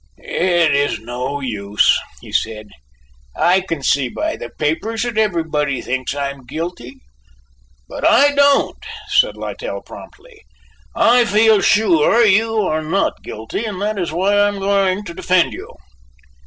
"It is no use," he said, "I can see by the papers that everybody thinks I am guilty." "But I don't!" said Littell promptly. "I feel sure you are not guilty and that is why I am going to defend you."